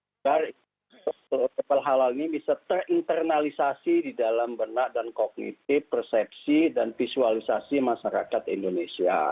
agar kapal halal ini bisa terinternalisasi di dalam benak dan kognitif persepsi dan visualisasi masyarakat indonesia